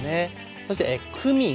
そしてクミン。